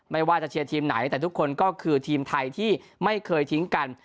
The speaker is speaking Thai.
ไม่ว่าจะเชียร์ทีมไหนแต่ทุกคนก็คือทีมไทยที่ไม่เคยทิ้งกัน